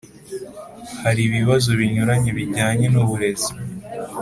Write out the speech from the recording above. Hari ibibazo binyuranye bijyanye n’uburezi